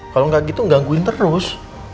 kalau nggak gitu gangguin terus